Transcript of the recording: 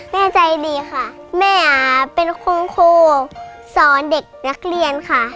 แม่ใจดีค่ะแม่เป็นคุณครูสอนเด็กนักเรียนค่ะ